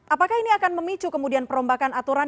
apakah ini akan memicu kemudian perombakan aturan